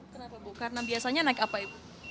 karena biasanya naik apa ibu